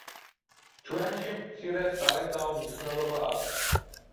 ჩვენში მცირე სარეწაო მნიშვნელობა აქვს.